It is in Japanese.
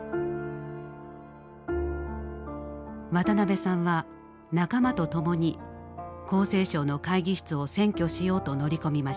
渡辺さんは仲間と共に厚生省の会議室を占拠しようと乗り込みました。